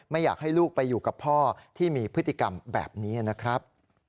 อยากให้ลูกไปอยู่กับพ่อที่มีพฤติกรรมแบบนี้นะครับ